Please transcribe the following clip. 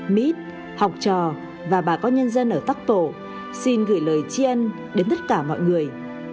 mít học trò và bà con nhân dân ở tắc phổ xin gửi lời tri ân đến tất cả mọi người